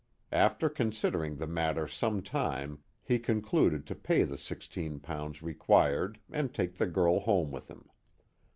After considering the matter some time, he con cluded to pay the sixteen pounds required and take the girl home with him.